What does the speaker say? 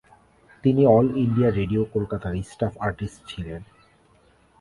তিনি all India radio কোলকাতার staff artist ছিলেন।